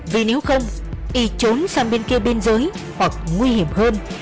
vì nếu không y trốn sang bên kia bên dưới hoặc nguy hiểm hơn